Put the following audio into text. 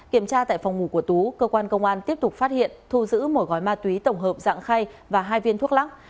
kiểm tra tại phòng ngủ của tú cơ quan công an tiếp tục phát hiện thu giữ một gói ma túy tổng hợp dạng khay và hai viên thuốc lắc